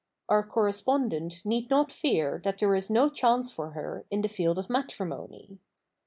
Our correspondent need not fear that there is no chance for her in the field of matrimony.